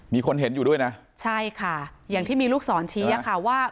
มีคนเห็นอยู่ด้วยนะใช่ค่ะอย่างที่มีลูกศรชี้อะค่ะว่า